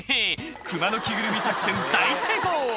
「クマの着ぐるみ作戦大成功！」